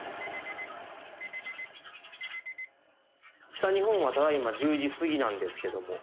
さあ日本はただいま１０時過ぎなんですけども。